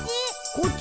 「こっち？」